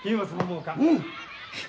うん。